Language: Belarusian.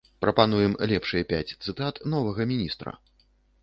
Прапануем лепшыя пяць цытат новага міністра.